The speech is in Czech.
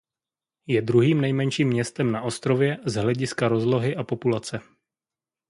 Je druhým nejmenším městem na ostrově z hlediska rozlohy a populace.